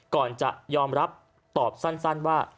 ก่อนจะยอมรับตอบสั้นว่า